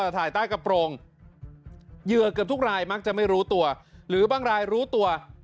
ใต้กระโปรงเหยื่อที่แค่ทุกลายมักจะไม่รู้ตัวหรือบางลายรู้ตัว